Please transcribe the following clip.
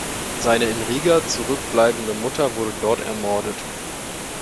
Seine in Riga zurückbleibende Mutter wurde dort ermordet.